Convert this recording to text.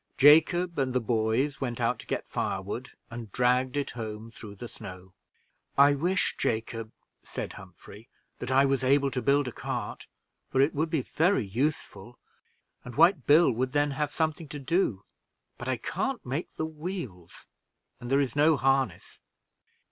Jacob and the boys went out to get firewood, and dragged it home through the snow. "I wish, Jacob," said Humphrey, "that I was able to build a cart, for it would be very useful, and White Billy would then have something to do; but I can't make the wheels, and there is no harness."